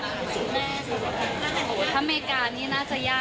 โอ้โฮถ้าอเมริกานี่น่าจะยากค่ะ